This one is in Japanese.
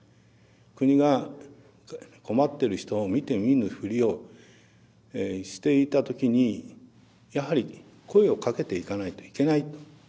国が困ってる人を見て見ぬふりをしていた時にやはり声をかけていかないといけないと。